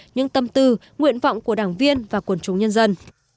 những tâm tư nguyện vọng của đảng viên và quần chúng nhân dân